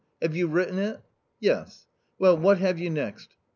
Have you written it ?"" Yes." " Well, what have you next